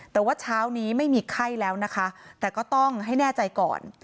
แต่ว่าเช้านี้ไม่มีไข้แล้วนะคะแต่ก็ต้องให้แน่ใจก่อน